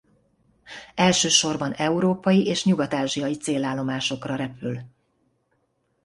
Elsősorban európai és nyugat-ázsiai célállomásokra repül.